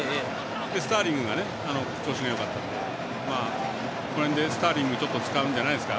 スターリングが調子がよかったのでこの辺で、スターリング使うんじゃないですか。